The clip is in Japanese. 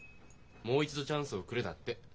「もう一度チャンスをくれ」だって。